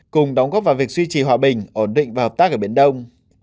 cùng đóng góp vào việc duy trì hòa bình ổn định và hợp tác ở biển đông